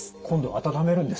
温めるんです。